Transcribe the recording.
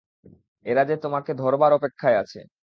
এরা যে তোমাকে ধরবার অপেক্ষায় আছে।